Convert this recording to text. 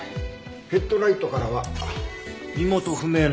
ヘッドライトからは身元不明の指紋が出たよ。